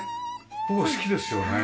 僕は好きですよ。